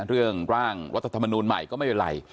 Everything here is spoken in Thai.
เรื่องร่างวัตถมนุนใหม่ก็ไม่เป็นไร